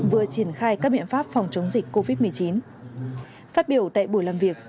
vừa triển khai các biện pháp phòng chống dịch covid một mươi chín phát biểu tại buổi làm việc